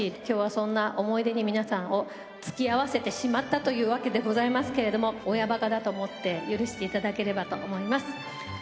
きょうはそんな思い出に、皆さんをつきあわせてしまったというわけでございますけれども、親ばかだと思って許していただければと思います。